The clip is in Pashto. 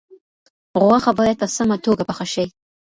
غوښه باید په سمه توګه پاخه شي.